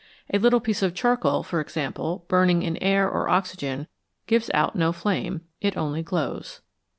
A little piece of charcoal, for example, burning in air or oxygen gives out no flame ; it only glows.